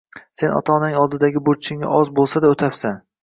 Sen ota-onang oldidagi burchingni oz boʻlsa-da oʻtabsan